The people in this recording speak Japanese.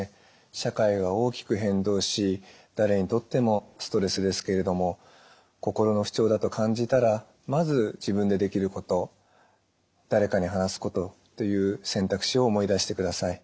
社会が大きく変動し誰にとってもストレスですけれども心の不調だと感じたらまず自分でできること誰かに話すことという選択肢を思い出してください。